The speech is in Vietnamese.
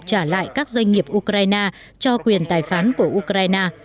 trả lại các doanh nghiệp ukraine cho quyền tài phán của ukraine